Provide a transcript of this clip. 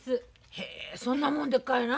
へえそんなもんでっかいな。